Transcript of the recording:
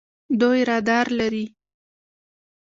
دوی رادار لري.